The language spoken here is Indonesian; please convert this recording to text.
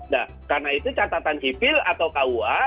nah karena itu catatan sipil atau kua